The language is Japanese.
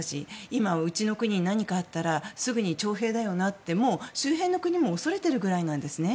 今、うちの国に何かあったらすぐに徴兵だよなともう周辺の国も恐れているくらいなんですね。